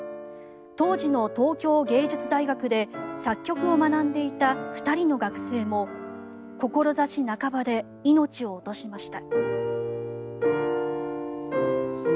当時の東京芸術大学で作曲を学んでいた２人の学生も志半ばで命を落としました。